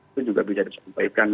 itu juga bisa disampaikan